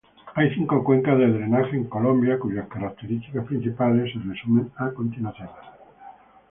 Hay cinco cuencas de drenaje en Colombia, cuyas características principales se resumen a continuación.